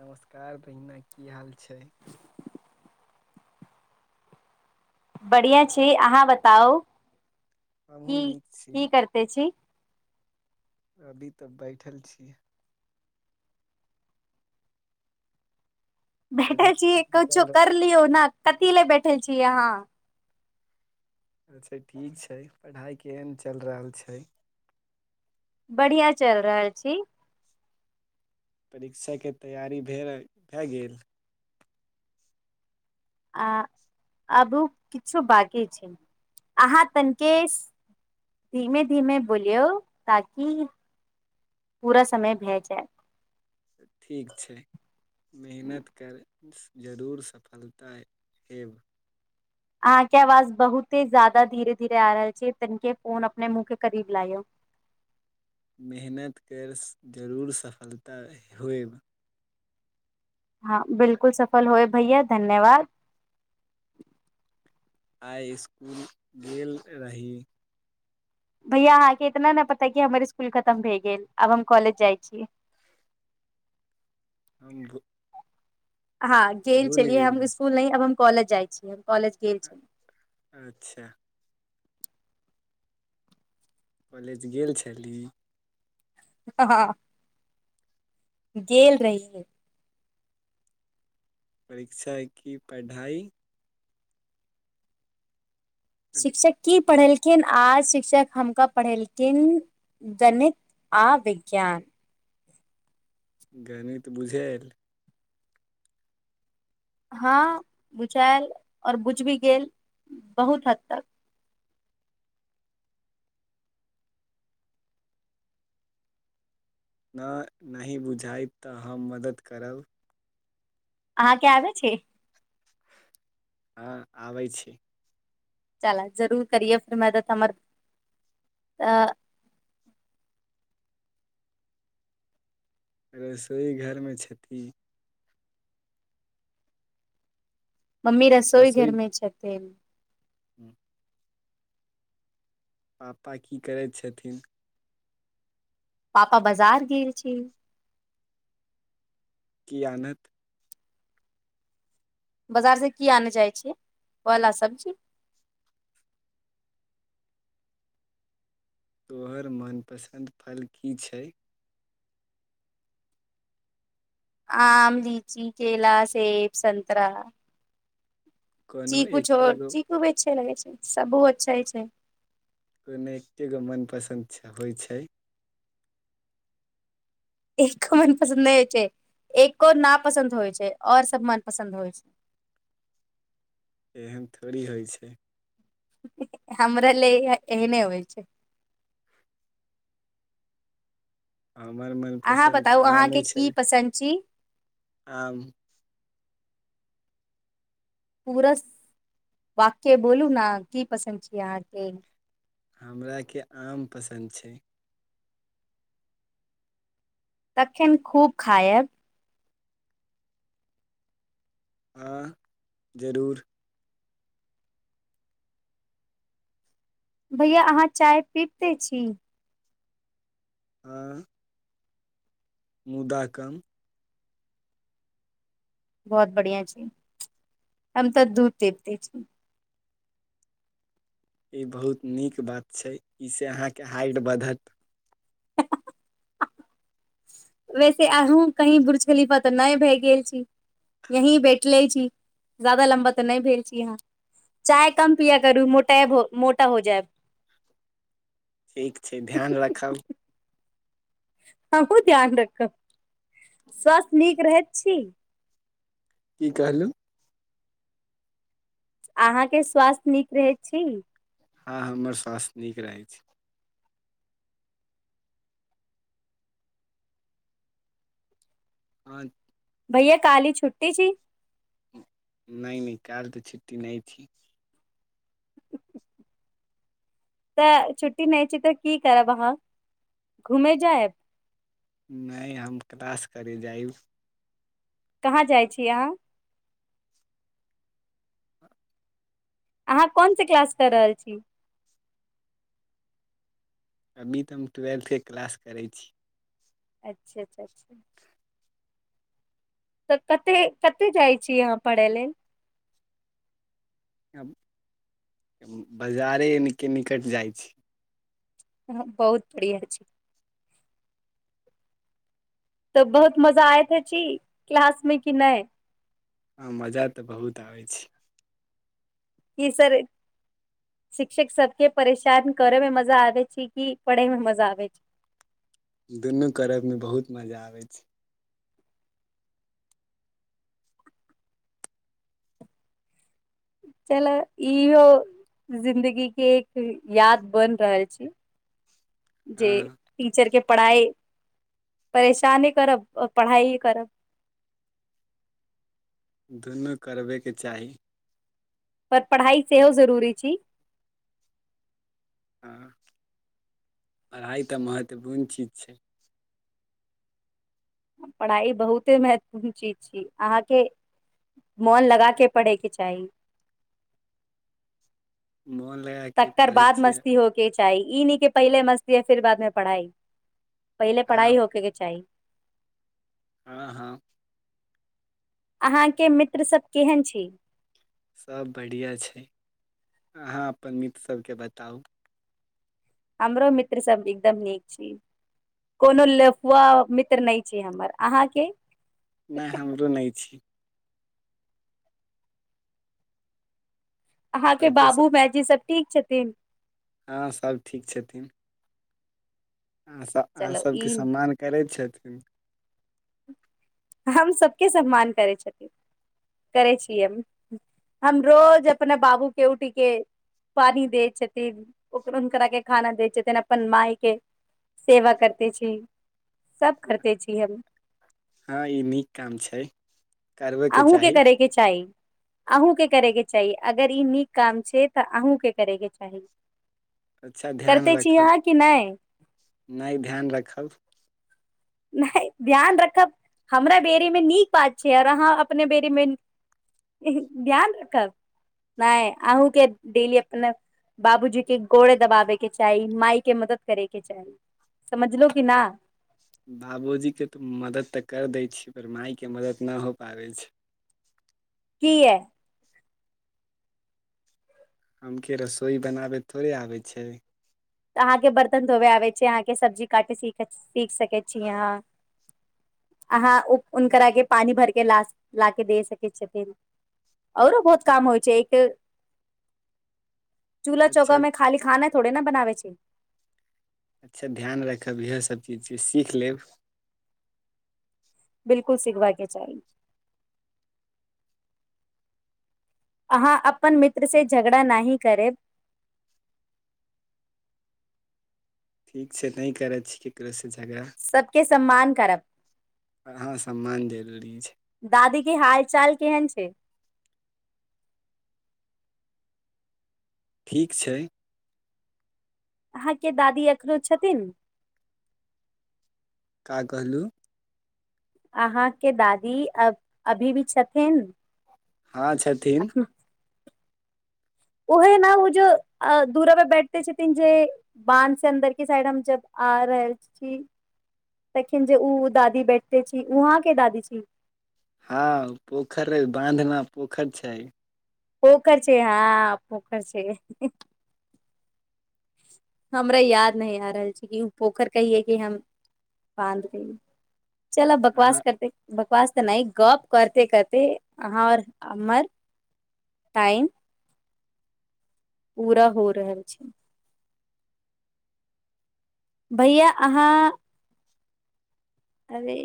नमस्कार बहिना की हाल छै बढ़ियाँ छी अहाँ बताउ, हमहुँ की नीक छी की करते छी अभी तऽ बैठल छी बैठल छियै, पढ़ाइ कछो चल कर लियौ न कथि ले बैठल छियै अहाँ अच्छा ठीक छै, पढ़ाइ केहन चल रहल छै बढ़िया चल रहल छी परीक्षाके तैयारी भेए भए गेल आ अभू किछो बाँकी छै। अहाँ तनिकेश धीमे-धीमे बोलियौ, ताकि पूरा समय भै जाए ठीक छै मेहनत कर, जरूर सफलता ऐब अहाँ के आवाज बहुते ज्यादा धीरे धीरे आ रहल छै, तनिके फोन अपने मुंह के करीब लायो मेहनत कर जरूर सफलता होयब हँ बिल्कुल सफल होएब भैया, धन्यवाद आइ इसकुल गेल रही? भैया अहाँके इतना न पता है की हमर स्कुल खतम भए गेल, आब हम कॉलेज जाइ छियै हम [unintelligible] हँ गेल भूल छेलियै हम रही। इसकुल नहि आब हम कॉलेज जाइ छियै। कॉलेज गेल छलियै अच्छा कॉलेज गेल छली हँ हँ गेल रहियै शिक्षक की पढ़ाई शिक्षक की पढ़ेलखिन, आज शिक्षक हमका पढ़ेलखिन गणित आ विज्ञान गणित बुझायल? हँ बुझायल और बुझ भी गेल, बहुत हद तक न, नहि बुझाइत तऽ हम मदद करब अहाँ के आबै छै हँ, आबै छै चल जरूर करियए फेर मदद हमर, तऽ रसोइ घरमे छथि मम्मी रसोई घर मऽ छथिन हूँ पापा की करै छथिन पापा बजार गेल छै कि आनत? बाजार सऽ की आने जाय छै? फल अऽ सब्जी तोहर मनपसन्द फल की छै आम, लीची, केेला, सेब, सन्तरा कोनो चीकू छोर, एकेगो चीकू भी अच्छे लगे छै। सबो अच्छा छै कोनो एके गो मन पसन्द छ होइ छै एको मन पसन्द नहि होइ छै। एको ना पसन्द होइ छै और सब मन पसन्द होइ छै एहन थोड़ी होइ छै हमरा लैहे ऐहने होइ छै हमर मन पसन्द तऽ आमे छै संन्ची आम पूरा, वाक्य बोलू नऽ की पसन्द छै अहाँके हमरा के आम पसन्द छै तखन खूब खायब हँ, जरूर भैया अहाँ चाय पीबितै छी हाँ मुदा कम बहुत बढ़िया छै, हम तऽ दूध [unintelligible] छी ई बहुत नीक बात छै इ से अहाँके हाइट बढत वेसे आहू कहि बुर्ज खलिफा तऽ नहि भए गेल छी यही बैटलै छी ज्यादा लम्बा तऽ नहि भेल छी आहाँ चाय कम पिया करू मोटाए भ मोटा हो जायब ठीक छै ध्यान राखब आहुँ ध्यान रखब [unintelligible] स्वास्थ्य नीक रहैत छी की कहलू अहाँके स्वास्थ्य नीक रहैत छी हँ हमर स्वास्थ्य नीक रहै छै आँ भैया काली छुट्टी छी नै नै काइल तऽ छुट्टी नै छी तऽ छुट्टी नहि छै तऽ की करब अहाँ, घूमे जायब नै हम क्लास करे जाइब कहाँ जाइ छी आहाँ अहाँ कोन से क्लास कऽ रहल छी अभी तऽ हम ट्वेल्थ के क्लास करै छी अच्छे अच्छा अच्छा तब कते कते जाइ छी अहाँ पढ़य लेल हम बजारे निके निकट जाइ छी [unintelligible] तऽ बहुत मजा आयत छी क्लास मे की नहि हँ मजा तऽ बहुत आबै छै ई सर शिक्षक सब के परेशान करऽ में मजा आबे छै कि पढ़े में मजा आबे छै दुनू करऽ में बहुत मजा आबै छै चलु इहो जिंदगी के एक याद बैन रहल छी [inaudible] जे टीचर के पढ़ाइ परेशाने करब आ पढ़ाईये करब दुनू करबे के चाही पर पढ़ाइ सेहो जरूरी छी हँ, पढ़ाई तऽ महत्वपूर्ण चीज छै पढ़ाई बहुते महत्वपूर्ण चीज छी अहाँके मोन लगा के पड़ेके चाही मोन लगा कऽ तक्कर पढ़ै बाद छियै मस्ती हो के चाही ई नै कि पहिले मस्ती या फिर बादमे पढ़ाई पहिले हँ पढ़ाई होखे के चाही हँ हँ आहाँ के मित्र सब केहन छी सब बढ़िआ छै। आंहा अपन मित्र सबके बताउ हमरो मित्र सब एकदम नीक छी कोनो लेफुआ मित्र नहि छै हमर। अहाँके? नय, हमरो नय छी अहाँ के सभके बाबू, मायजी सब ठीक छथिन हाँ सब ठीक छथिन। आहाँ सब आहाँ चलू सबके ई सम्मान करै छथिन हम सबके सम्मान करै छथि। करै छी एम हम रोज अपने बाबू के उठी के पानी दै छथिन [unintelligible] खाना दै छथिन अपन माय के सेवा करते छी, सब करते छी हम हँ ई नीक काम छै करबयके अहूंके चाही करैके चाही अहूँके करेके चाही। अगर ई नीक काम छै तऽ अहूँ के करै के चाही अच्छा ध्यान करते छी राखब आहाँ कि नय? नहि ध्यान रखब नहि ध्यान रखब, हमरा बेरीमे नीक बात छै अर अहाँ अपने बेरीमे ऊंह ध्यान कब, नहि अहूँके डेली अपना बाबूजी के गोड़ दबाबेके चाही, माई के मदद करेके चाही समझलू कि ना? बाबूजीके तऽ मदद तऽ कर दै छियै पर मायके मदद ना हो पाबै छै कीया हमके रसोइ बनाबै थोड़े आबै छै तऽ अहाँके बर्तन धोवे आबै छै, अहाँके सब्जी काटे सिखय सीख सकै छी अहाँ आहाँ उ उनकरा के पानी भरके ला ला के दे सकै छथिन औरो बहुत काम होइ छै एक चूल्हा चौका अच्छा में खाली खाना थोड़े न बनावै छै अच्छा ध्यान रखब इहे सभ चीज जे सीख लेब बिलकुल सिखबा के चाही आहाँ अपन मित्र से झगड़ा नाहि करेब ठीक छै नहि करै छि स झगड़ा, सबके सम्मान करब आर हा सम्मान जरूरी छै दादी के हाल चाल केहन छै ठीक छै आहाँ के दादी एखनो छथिन? का कहलु? अहाँके दादी अ अभी भी छथिन हाँ, छथिन अखन ओहे न ओ जो अ दूरा पर बैठते छथिन जे बाँध से अन्दर के साइड हम जब आ रहल छी तखन जे ऊ दादी बैठते छी, उ अहां के दादी छी? हँ ऊ पोखर, बाँध ना पोखर छै पोखर छै, हाँ पोखर छै हमरा याद नहि आ रहल छै कि ओ पोखर कहिये कि हम बाँध कहिये चलब बकवास हँ करते बकवास त नहि गप करिते करिते आहां और हमर टाइम पूरा हो रहल छै भैया अहाँ अरे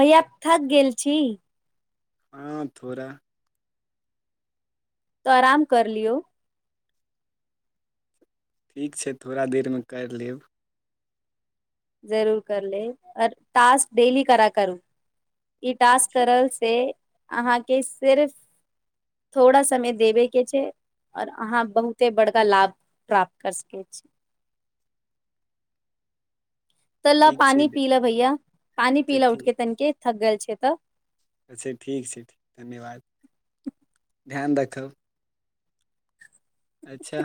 भैया थक गेल छी हां, थोड़ा त अराम कर लियौ ठीक छै थोड़ा देरमे करि लेब जरुर कर लेब आ टास्क डेेली करा करु इ टास्क करल से अहांके सिर्फ थोड़ा समय देबे के छै और आहां बहुते बड़का लाभ प्राप्त कर सकै छी त ल ठीक छै पानि पी अच्छा ल भैया, पानी पी ल ठीक उठिके तनिके, थक गेल छै त अच्छा ठीक छै धन्यवाद, ध्यान रखब अच्छा,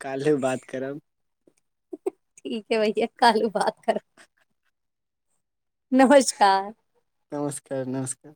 काल्हु बात करब ठीक है भैया काल्हु बात करब नमस्कार नमस्कार नमस्कार